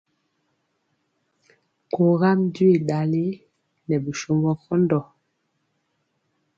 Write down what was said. Kogam jwi ɗali nɛ bisombɔ kɔndɔ.